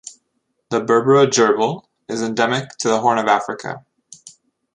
The Berbera gerbil is endemic to the Horn of Africa.